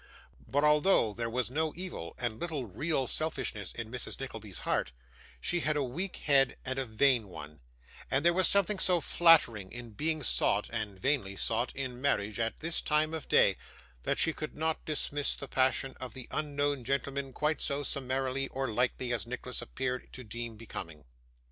But, although there was no evil and little real selfishness in Mrs. Nickleby's heart, she had a weak head and a vain one; and there was something so flattering in being sought (and vainly sought) in marriage at this time of day, that she could not dismiss the passion of the unknown gentleman quite so summarily or lightly as Nicholas appeared to deem becoming.